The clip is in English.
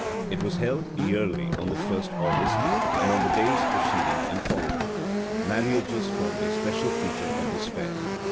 It was held yearly on the 1st August, and on the days preceding and following. Marriages formed a special feature of this fair.